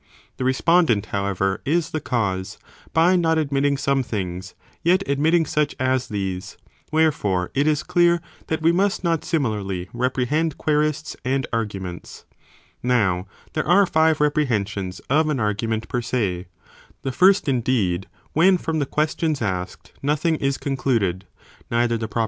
The respondent however is the cause, by not admitting some things, yet admitting such as these, wherefore it is clear that we must not similarly re prehend querists and arguments. Now there are five reprehensions of an argu ment per se, the first indeed, when from the ques f/.¢°Prenen tions asked nothing is concluded, neither the pro pument per se; ein number.